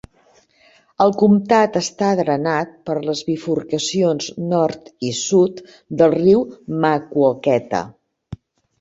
El comtat està drenat per les bifurcacions nord i sud del riu Maquoketa.